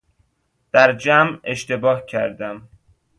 در جمع اشتباه کردم